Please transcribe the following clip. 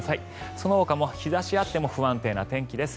そのほかも日差しがあっても不安定な天気です。